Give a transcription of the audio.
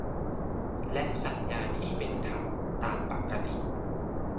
และสัญญาที่เป็นธรรมตามปกติ